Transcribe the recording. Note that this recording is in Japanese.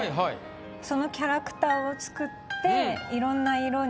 そのキャラクターを作っていろんな色に。